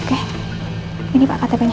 oke ini pak ktp nya